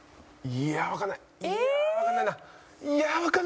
いやわかんない。